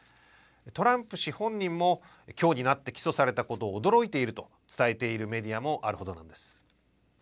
トランプ氏本人もきょうになって起訴されたことを驚いていると伝えているメディアもあるほどです。